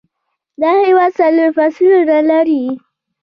دا هیواد څلور فصلونه لري